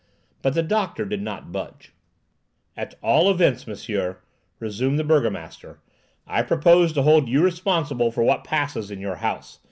But the doctor did not budge. "At all events, monsieur," resumed the burgomaster, "I propose to hold you responsible for what passes in your house.